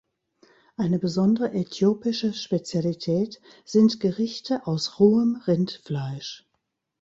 Eine besondere äthiopische Spezialität sind Gerichte aus rohem Rindfleisch.